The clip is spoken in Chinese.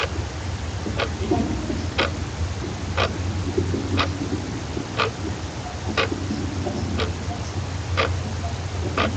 下表详列了一级方程式车队布拉汉姆完整的世界锦标赛大奖赛成绩。